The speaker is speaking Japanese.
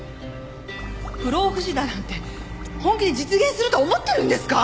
不老不死だなんて本気で実現すると思ってるんですか！？